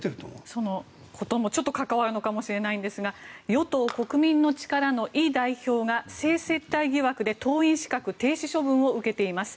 そのこともちょっと関わるのかもしれないんですが与党・国民の力のイ代表が性接待疑惑で党員資格停止処分を受けています。